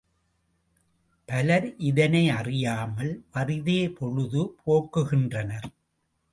பலர் இதனையறியாமல் வறிதே பொழுது போக்குகின்றனர்.